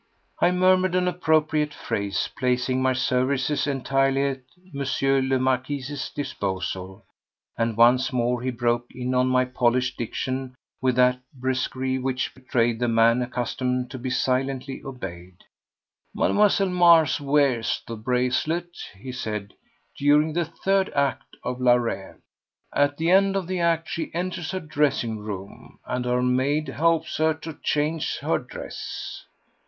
I murmured an appropriate phrase, placing my services entirely at M. le Marquis's disposal, and once more he broke in on my polished diction with that brusquerie which betrayed the man accustomed to be silently obeyed. "Mlle. Mars wears the bracelet," he said, "during the third act of Le Rêve. At the end of the act she enters her dressing room, and her maid helps her to change her dress.